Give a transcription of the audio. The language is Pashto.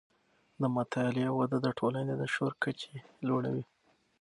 د مطالعې وده د ټولنې د شعور کچې لوړوي.